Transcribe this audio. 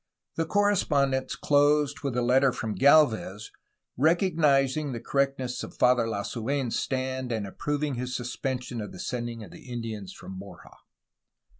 The correspondence closed with a letter from Gdlvez recognizing the correctness of Father Lasu^n's stand, and approving his suspension of the sending of the Indians from Borja.